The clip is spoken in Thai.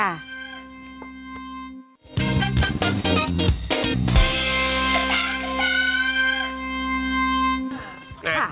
ได้ไหมค่ะ